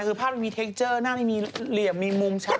คือภาพมันมีเทคเจอร์หน้าไม่มีเหลี่ยมมีมุมชัด